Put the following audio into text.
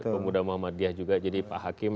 pemuda muhammadiyah juga jadi pak hakim